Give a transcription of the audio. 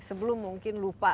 sebelum mungkin lupa karena